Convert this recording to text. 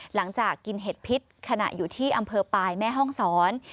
หลังจากกินเห็ดพิษขณะอยู่ที่อำเภอปลายแม่ห้องศร